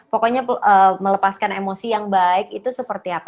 pokoknya melepaskan emosi yang baik itu seperti apa